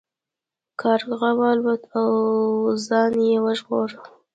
کارغه والوت او ځان یې وژغوره.